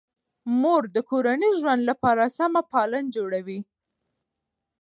مور د کورني ژوند لپاره سمه پالن جوړوي.